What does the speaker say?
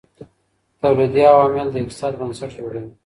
تولیدي عوامل د اقتصاد بنسټ جوړوي.